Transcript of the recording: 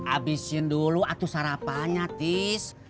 abisin dulu atuh sarapannya tis